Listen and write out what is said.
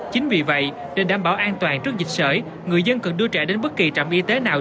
chính vì vậy để đảm bảo an toàn trước dịch sởi người dân cần đưa trẻ đến bất kỳ trạm y tế nào